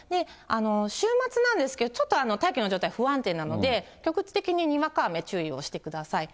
週末なんですけど、ちょっと大気の状態不安定なので、局地的ににわか雨、注意してください。